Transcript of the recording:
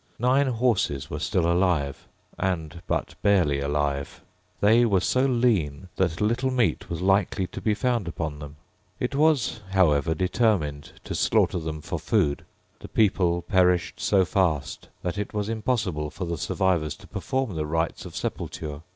Nine horses were still alive, and but barely alive. They were so lean that little meat was likely to be found upon them. It was, however, determined to slaughter them for food. The people perished so fast that it was impossible for the survivors to perform the rites of sepulture.